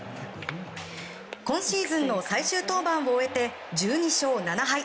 今シーズンの最終登板を終えて１２勝７敗。